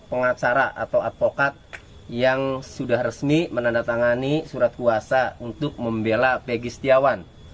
pengacara atau advokat yang sudah resmi menandatangani surat kuasa untuk membela pegi setiawan